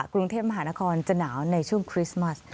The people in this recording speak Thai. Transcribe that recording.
กรุงเทพมหานครจะหนาวในช่วงคริสต์มัส